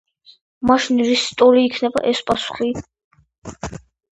მაშინ რისი ტოლი იქნება ეს პასუხი?